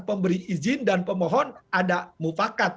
pemberi izin dan pemohon ada mufakat